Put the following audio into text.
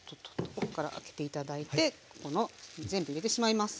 奥から開けて頂いて全部入れてしまいます。